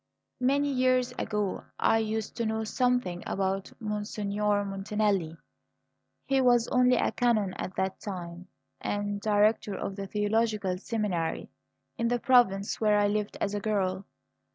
"Many years ago I used to know something about Monsignor Montanelli. He was only a canon at that time, and Director of the theological seminary in the province where I lived as a girl.